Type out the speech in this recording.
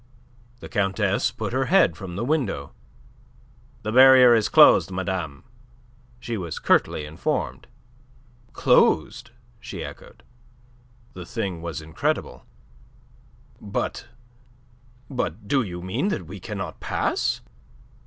The Countess put her head from the window. "The barrier is closed, madame," she was curtly informed. "Closed!" she echoed. The thing was incredible. "But... but do you mean that we cannot pass?"